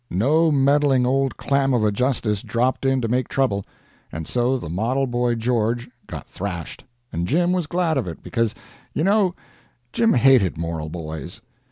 No meddling old clam of a justice dropped in to make trouble, and so the model boy George got thrashed, and Jim was glad of it because, you know, Jim hated moral boys.